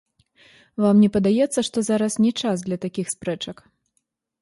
Вам не падаецца, што зараз не час для такіх спрэчак?